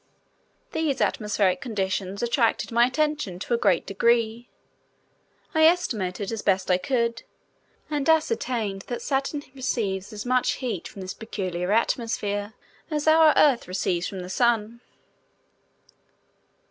These atmospheric conditions attracted my attention to a great degree. I estimated as best I could, and ascertained that Saturn receives as much heat from this peculiar atmosphere as our Earth receives from the Sun.